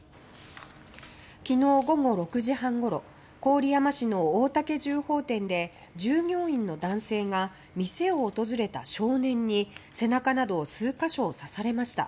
昨日午後６時半ごろ郡山市の大竹銃砲店で従業員の男性が店を訪れた少年に背中など数か所を刺されました。